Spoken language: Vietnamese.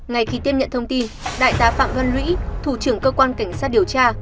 ngay khi tiếp nhận thông tin đại tá phạm văn lũy thủ trưởng cơ quan cảnh sát điều tra